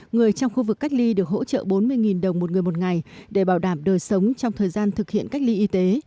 người trong khu vực cách ly được hỗ trợ bốn mươi đồng một người một ngày để bảo đảm đời sống trong thời gian thực hiện cách ly y tế